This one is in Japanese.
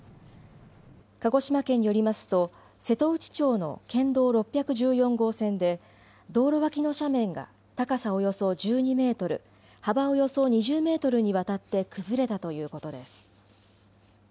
鹿児島県によりますと瀬戸内町の県道６１４号線で道路脇の斜面が高さおよそ１２メートル幅およそ２０メートルにわたって崩れたということです。